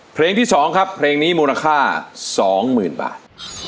เพลงที่๒ครับเพลงนี้มูลค่า๒๐๐๐บาท